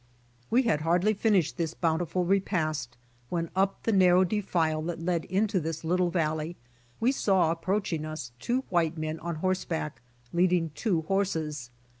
We had hardly finished this bountiful repast when up the narrow defile that led into this little valley, we saw approaching us two white men on horseback, leading two horses.